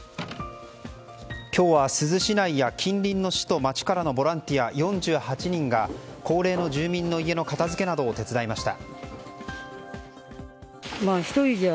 今日は珠洲市内や近隣の市や町からのボランティア４８人が高齢の住民の家の片付けなどを手伝いました。